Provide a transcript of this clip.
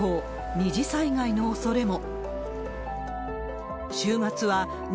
二次災害のおそれも。